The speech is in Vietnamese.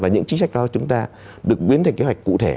và những chính sách đó của chúng ta được biến thành kế hoạch cụ thể